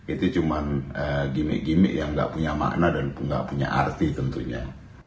itu cuma gimmick gimmick yang gak punya makna dan nggak punya arti tentunya